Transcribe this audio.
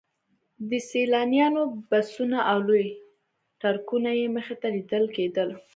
د سیلانیانو بسونه او لوی ټرکونه یې مخې ته لیدل کېدل.